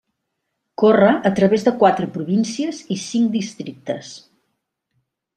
Corre a través de quatre províncies i cinc districtes.